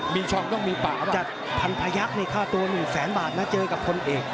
มีช่องต้องมีป่าจัดพันพะยักษ์ในค่าตัวหนึ่งแสนบาทมาเจอกับคนเอก